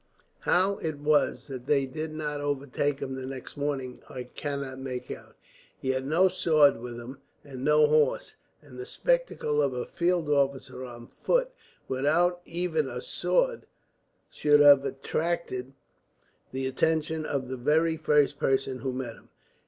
"How it was that they did not overtake him the next morning, I cannot make out. He had no sword with him, and no horse; and the spectacle of a field officer on foot, without even a sword, should have attracted the attention of the very first person who met him.